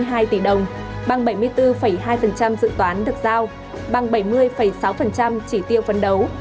đạt hai trăm sáu mươi một sáu mươi hai tỷ đồng bằng bảy mươi bốn hai dự toán được giao bằng bảy mươi sáu chỉ tiêu vấn đấu